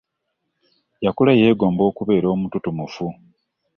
Yakula yegomba okubera omututumufu.